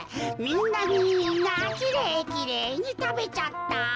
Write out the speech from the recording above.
みんなきれいきれいにたべちゃった。